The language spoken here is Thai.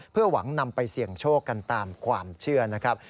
เพื่อหวังนำไปเสี่ยงโชคกันตามความเชื่อนะครับ